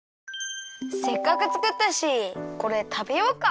せっかくつくったしこれたべようか。